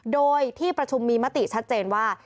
โดยที่ประชุมมีมติชัดเจนว่า